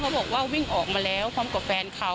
บอกว่าวิ่งออกมาแล้วพร้อมกับแฟนเขา